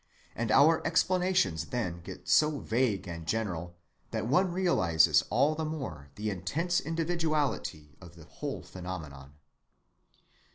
And our explanations then get so vague and general that one realizes all the more the intense individuality of the whole phenomenon.